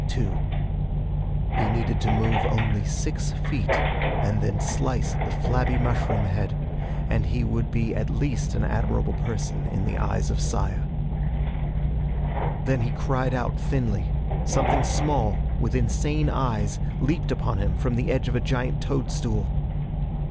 Two. He needed to move only six feet, and then slice at the flabby mushroom head, and he would be at least an admirable person in the eyes of Saya. Then he cried out thinly. Something small, with insane eyes, leaped upon him from the edge of a giant toadstool.